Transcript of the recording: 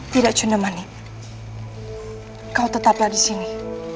tidak cundomanik kau tetaplah disini